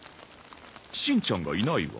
しんちゃんがいないわ。